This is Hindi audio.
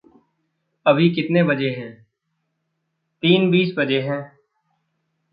"अभी कितने बजे हैं?" "तीन बीस बजे हैं"